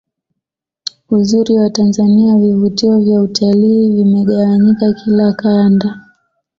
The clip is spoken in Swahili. uzuri wa tanzania vivutio vya utalii vimegawanyika kila Kanda